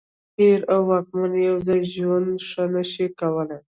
پیر او واکمن یو ځای ژوند نه شي کولای.